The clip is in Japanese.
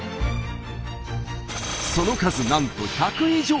その数なんと１００以上。